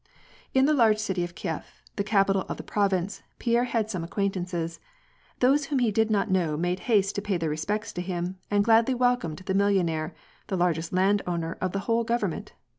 In the large city of Kief, the capital of the province, Pierre had some acquaintances : those whom he did not know made haste to pay their respects to him, and gladly welcomed the millionaire, the largest landowner of the whole government.